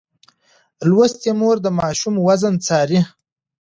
لوستې مور د ماشوم وزن څاري.